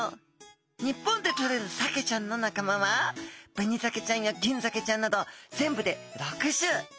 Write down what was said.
日本でとれるサケちゃんの仲間はベニザケちゃんやギンザケちゃんなど全部で６種。